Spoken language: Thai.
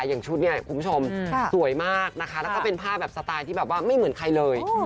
อย่างชุดเนี่ยคุณผู้ชมสวยมากนะคะแล้วก็เป็นภาพแบบสไตล์ที่แบบว่าไม่เหมือนใครเลย